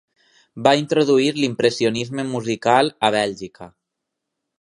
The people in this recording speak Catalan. Va introduir l'impressionisme musical a Bèlgica.